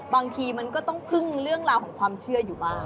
บางทีมันก็ต้องพึ่งเรื่องราวของความเชื่ออยู่บ้าง